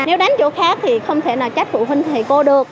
nếu đánh chỗ khác thì không thể nào trách phụ huynh thầy cô được